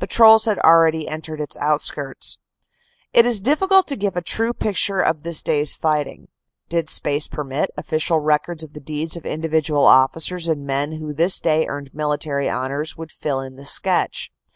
Patrols had already entered its outskirts." It is difficult to give a true picture of this day s fighting. Did space permit, official records of deeds of individual officers and men who this day earned military honors would fill in the sketch.